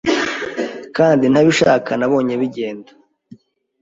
Kandi ntabishaka nabonye bigenda